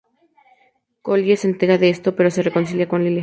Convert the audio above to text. Kolya se entera de esto, pero se reconcilia con Lilia.